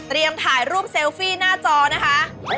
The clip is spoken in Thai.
เตรียมถ่ายรูปเซลฟี่หน้าจอนะคะ